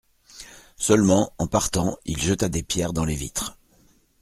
Seulement, en partant, il jeta des pierres dans les vitres.